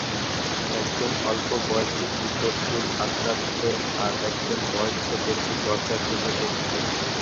একজন অল্পবয়সি কিশোর চুল আঁচড়াচ্ছে আর একজন বয়স্ক ব্যক্তি দরজা থেকে দেখছে।